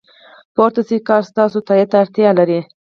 پورته شوی کار ستاسو تایید ته اړتیا لري.